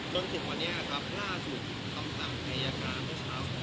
จนถึงวันนี้ครับล่าสู่คำสั่งพญากาศเมื่อเช้าออกมา